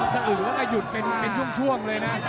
สะอืนก็ก็กระหยุดเป็นช่วงช่วง